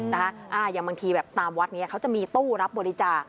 อย่างบางทีแบบตามวัดนี้เขาจะมีตู้รับบริจาค